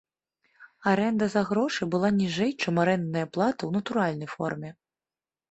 Арэнда за грошы была ніжэй, чым арэндная плата ў натуральнай форме.